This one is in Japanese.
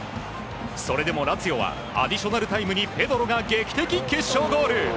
それでもラツィオはアディショナルタイムにペドロが劇的決勝ゴール！